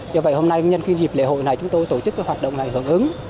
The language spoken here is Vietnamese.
do vậy hôm nay nhân khi dịp lễ hội này chúng tôi tổ chức cái hoạt động này hưởng ứng